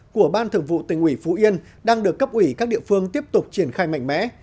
của ban thường vụ tỉnh ủy phú yên đang được cấp ủy các địa phương tiếp tục triển khai mạnh mẽ